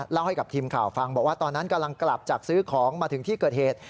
เล่าให้กับทีมข่าวฟังบอกว่าตอนนั้นกำลังกลับจากซื้อของมาถึงที่เกิดเหตุ